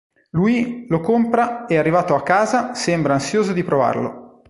Louie lo compra e arrivato a casa sembra ansioso di provarlo.